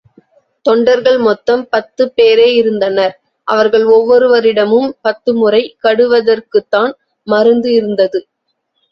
தொண்டர்கள் மொத்தம் பத்துப் பேரேயிருந்தனர் அவர்கள் ஒவ்வொருவரிடமும் பத்துமுறை கடுவதற்குத்தான் மருந்து இருந்தது.